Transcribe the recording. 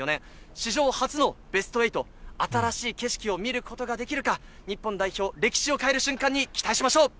史上初のベスト８、新しい景色を見ることができるか、日本代表、歴史を変える瞬間に期待しましょう！